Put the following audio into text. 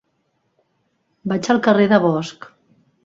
Vaig al carrer de Bosch.